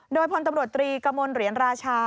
โดยพลตำรวจตรีกระมวลเหรียญราชา